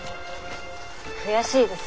悔しいです。